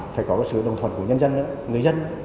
phải có sự đồng thuận của nhân dân nữa người dân